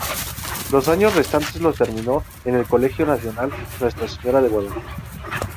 Los años restantes los terminó en el Colegio Nacional Nuestra Señora de Guadalupe.